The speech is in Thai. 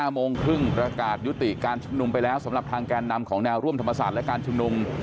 โมงครึ่งประกาศยุติการชุมนุมไปแล้วสำหรับทางแกนนำของแนวร่วมธรรมศาสตร์และการชุมนุม